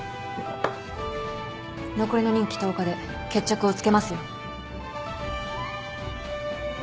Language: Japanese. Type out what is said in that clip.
残りの任期１０日で決着をつけますよ。